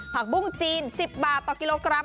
บุ้งจีน๑๐บาทต่อกิโลกรัม